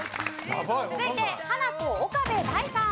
続いてハナコ岡部大さん。